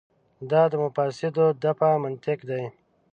دا د مفاسدو دفع منطق دی.